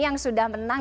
yang sudah menarik